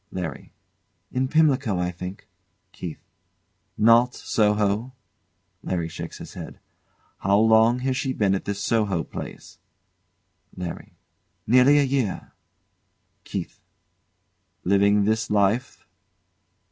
LARRY. In Pimlico, I think. KEITH. Not Soho? [LARRY shakes his head.] How long has she been at this Soho place? LARRY. Nearly a year. KEITH. Living this life?